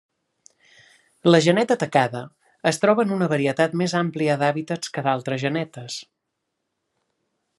La geneta tacada es troba en una varietat més àmplia d'hàbitats que d'altres genetes.